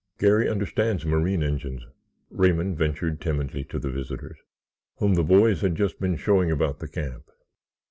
"Garry understands marine engines," Raymond ventured timidly to the visitors, whom the boys had just been showing about the camp.